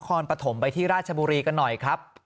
ปฐมไปที่ราชบุรีกันหน่อยครับ